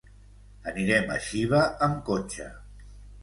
Anirem a Xiva amb cotxe.